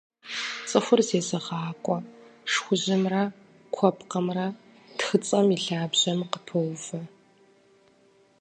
Цӏыхур зезыгъакӏуэ шхужьымрэ куэпкъымрэ тхыцӏэм и лъабжьэм къыпоувэ.